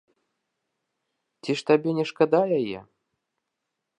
Ці ж табе не шкада яе?